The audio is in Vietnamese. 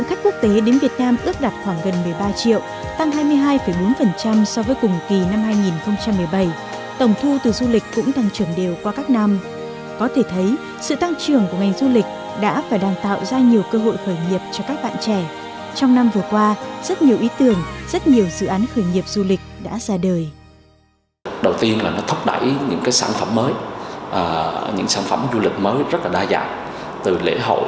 năm vừa qua rất nhiều ý tưởng rất nhiều dự án khởi nghiệp du lịch đã ra đời